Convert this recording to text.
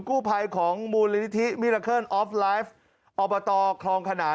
กู้ภัยของมูลนิธิมิลาเคิลออฟไลฟ์อบตคลองขนาน